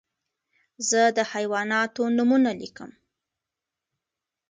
زه د حیواناتو نومونه لیکم.